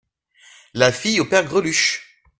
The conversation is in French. La fille au père Greluche !